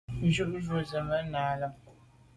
Jù jujù ze màa na là.